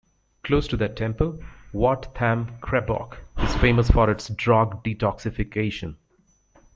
Close to that temple, Wat Tham Krabok is famous for its drug detoxification.